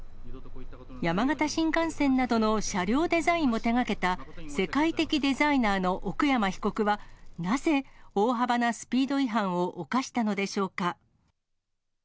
山形新幹線などの車両デザインも手がけた世界的デザイナーの奥山被告は、なぜ大幅なスピード違反を犯したのでしょうか。